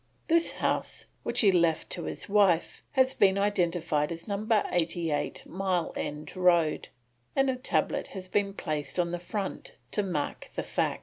This house, which he left to his wife, has been identified as Number 88 Mile End Road, and a tablet has been placed on the front to mark the fact.